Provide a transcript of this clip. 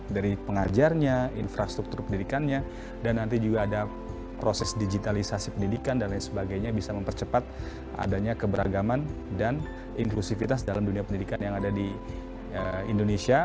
dari pengajarnya infrastruktur pendidikannya dan nanti juga ada proses digitalisasi pendidikan dan lain sebagainya bisa mempercepat adanya keberagaman dan inklusivitas dalam dunia pendidikan yang ada di indonesia